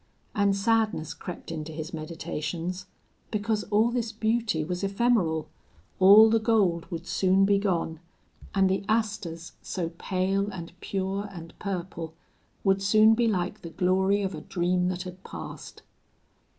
And sadness crept into his meditations because all this beauty was ephemeral, all the gold would soon be gone, and the asters, so pale and pure and purple, would soon be like the glory of a dream that had passed.